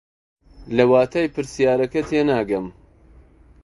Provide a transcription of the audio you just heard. لە واتای پرسیارەکە تێناگەم.